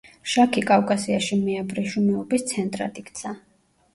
შაქი კავკასიაში მეაბრეშუმეობის ცენტრად იქცა.